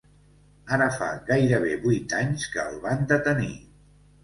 Ara fa gairebé vuit anys que el van detenir.